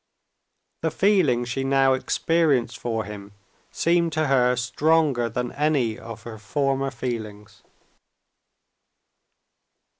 The feeling she now experienced for him seemed to her stronger than any of her former feelings.